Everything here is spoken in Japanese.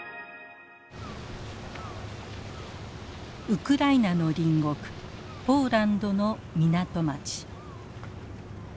ウクライナの隣国ポーランドの港町。